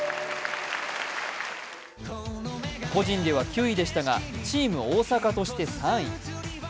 個人では９位でしたがチーム大阪として３位。